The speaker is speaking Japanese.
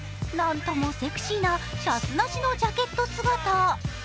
何ともセクシーなシャツなしのジャケット姿。